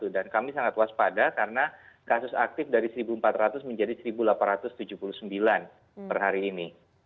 dan kami sangat waspada karena kasus aktif dari satu empat ratus menjadi satu delapan ratus tujuh puluh sembilan per hari ini